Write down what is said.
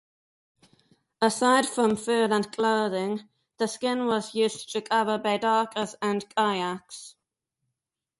Aside from food and clothing, their skin was used to cover baidarkas and kayaks.